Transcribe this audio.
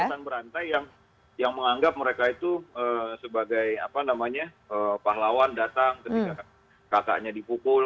kita lihat banyak karyawan berantai yang menganggap mereka itu sebagai apa namanya pahlawan datang ketika kakaknya dipukul